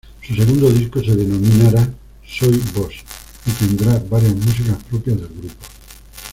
Su segundo disco se denominará ""Soy Vos"", y tendrá varias músicas propias del grupo.